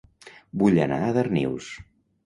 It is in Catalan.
Vull anar a Darnius